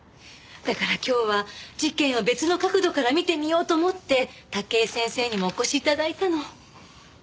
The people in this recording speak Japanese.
だから今日は事件を別の角度から見てみようと思って武井先生にもお越し頂いたの。